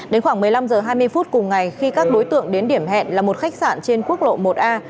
đến khoảng một mươi năm h hai mươi phút cùng ngày khi các đối tượng đến điểm hẹn là một khách sạn trên quốc lộ một a